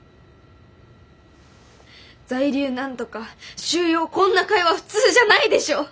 在留何とか収容こんな会話普通じゃないでしょ！